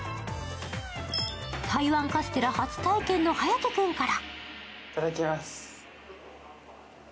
台湾カステラ初体験の颯君から。